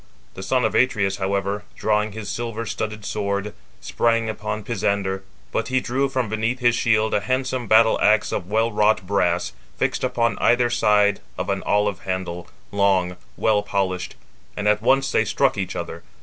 The son of Atreus, however, drawing his silver studded sword, sprang upon Pisander; but he drew from beneath his shield a handsome battle axe of well wrought brass, fixed upon either side of an olive handle, long, well polished; and at once they struck each other.